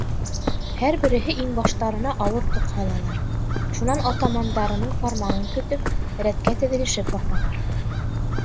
Һәр береһе иңбаштарына ауыр тоҡ һалалар; шунан атамандарының фарманын көтөп, рәткә теҙелешеп баҫалар.